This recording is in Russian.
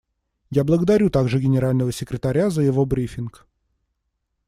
Я благодарю также Генерального секретаря за его брифинг.